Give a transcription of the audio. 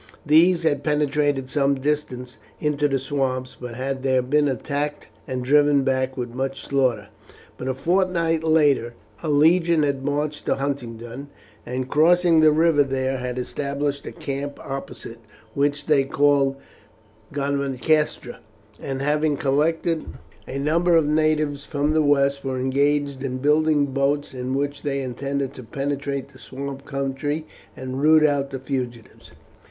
These had penetrated some distance into the swamps, but had there been attacked and driven back with much slaughter. But a fortnight later a legion had marched to Huntingdon, and crossing the river there had established a camp opposite, which they called Godmancastra, and, having collected a number of natives from the west, were engaged in building boats in which they intended to penetrate the swamp country and root out the fugitives.